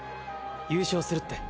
優勝するって。